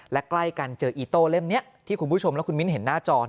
และใกล้กันเจออีโต้เล่มนี้ที่คุณผู้ชมและคุณมิ้นเห็นหน้าจอ